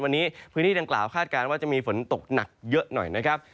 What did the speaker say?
วันนี้พื้นที่ดังกล่าวคาดการณ์ว่าจะมีฝนตกหนักเยอะหน่อยนะครับ